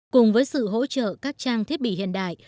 cùng với sự hỗ trợ các trang thiết bị hiện đại